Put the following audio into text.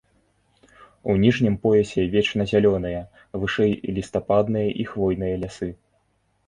У ніжнім поясе вечназялёныя, вышэй лістападныя і хвойныя лясы.